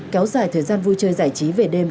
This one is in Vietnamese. kéo dài thời gian vui chơi giải trí về đêm